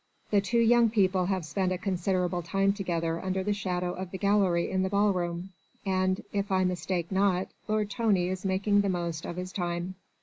The two young people have spent a considerable time together under the shadow of the gallery in the ball room, and, if I mistake not, Lord Tony is making the most of his time."